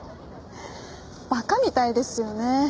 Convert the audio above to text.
馬鹿みたいですよね。